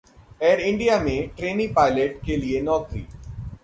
Air India में trainee pilot के लिए नौकरी